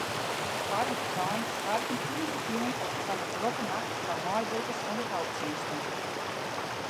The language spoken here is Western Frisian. Stoarm en rein soargen tiisdeitejûn foar in drokke nacht foar meiwurkers fan de helptsjinsten.